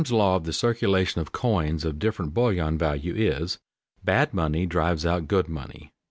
_Gresham's law of the circulation of coins of different bullion value is: bad money drives out good money.